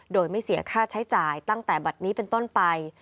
โดยไม่เสียค่าใช้จ่ายตั้งแต่บัตรนี้เป็นต้นไป